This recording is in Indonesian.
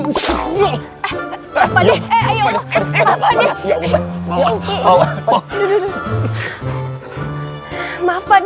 maaf pak d eh ayolah maaf pak d